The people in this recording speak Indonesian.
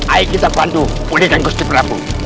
ayo kita pandu uli dan gusti prabu